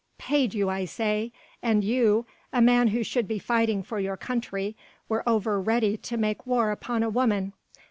paid you, I say, and you, a man who should be fighting for your country, were over ready to make war upon a woman.